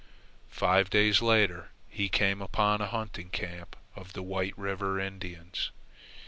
Five days later he came upon a hunting camp of the White River Indians.